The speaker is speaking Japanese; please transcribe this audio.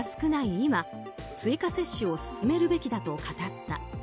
今追加接種を進めるべきだと語った。